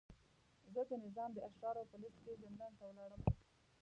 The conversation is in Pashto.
زه د نظام د اشرارو په لست کې زندان ته ولاړم.